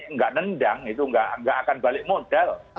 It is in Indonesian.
nggak nendang itu nggak akan balik modal